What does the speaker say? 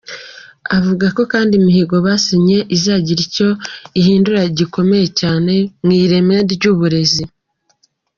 Avuga ko kandi imihigo basinye izagira icyo ihindura gikomeye cyane mu ireme ry’uburezi.